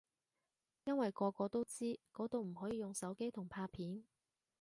因為個個都知嗰度唔可以用手機同拍片